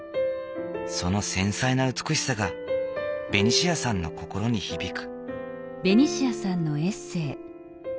その繊細な美しさがベニシアさんの心に響く。